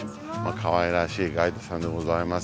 かわいらしいガイドさんでございます。